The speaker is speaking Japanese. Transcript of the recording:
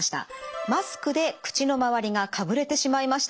マスクで口の周りがかぶれてしまいました。